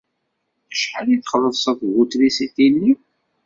Acḥal i txellṣeḍ bu trisiti-nni?